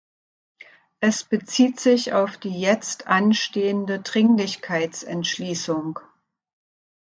Es bezieht sich auf die jetzt anstehende Dringlichkeitsentschließung.